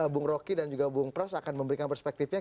bung rocky dan juga bung pras akan memberikan perspektifnya